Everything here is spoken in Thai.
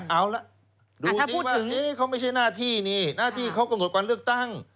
เอาล่ะดูสิว่าเขาไม่ใช่หน้าที่นี่หน้าที่เขากำหนดวันเลือกตั้ง